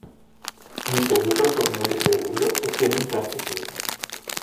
In seguito al torneo di Seul ottiene un terzo turno.